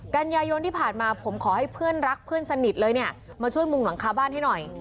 กันยายนที่ผ่านมาผมขอให้เพื่อนรักเพื่อนสนิทเลยเนี่ยมาช่วยมุงหลังคาบ้านให้หน่อย